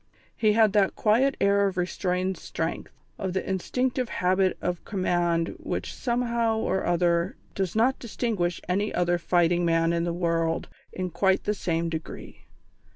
He had that quiet air of restrained strength, of the instinctive habit of command which somehow or other does not distinguish any other fighting man in the world in quite the same degree.